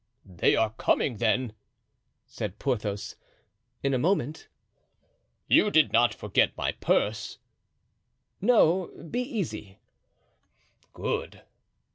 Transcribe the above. "They are coming, then?" said Porthos. "In a moment." "You didn't forget my purse?" "No; be easy." "Good."